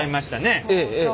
ええええ。